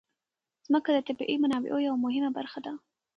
ځمکه د طبیعي منابعو یوه مهمه برخه ده.